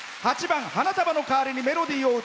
８番「花束のかわりにメロディーを」